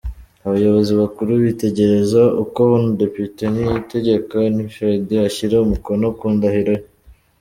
Abayobozi bakuru bitegereza uko Hon Depite Niyitegeka Winfred ashyira umukono ku ndahiro ye.